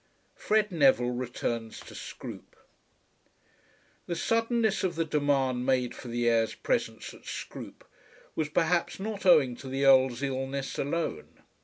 FRED NEVILLE RETURNS TO SCROOPE. The suddenness of the demand made for the heir's presence at Scroope was perhaps not owing to the Earl's illness alone.